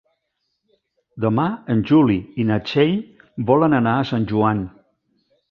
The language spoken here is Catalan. Demà en Juli i na Txell volen anar a Sant Joan.